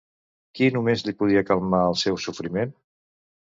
Qui només li podia calmar el seu sofriment?